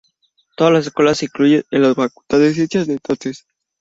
Todas las escuelas se incluyen en la Facultad de Ciencias de entonces.